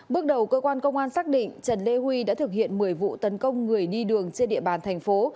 bước đầu cơ quan công an xác định trần lê huy đã thực hiện một mươi vụ tấn công người đi đường trên địa bàn thành phố